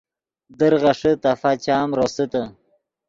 در غیݰے تفا چام روسیتے